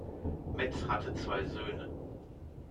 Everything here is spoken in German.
Metz hatte zwei Söhne.